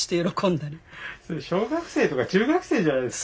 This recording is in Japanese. それ小学生とか中学生じゃないですか。